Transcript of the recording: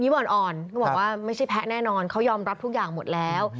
อ่อนก็บอกว่าไม่ใช่แพ้แน่นอนเขายอมรับทุกอย่างหมดแล้ว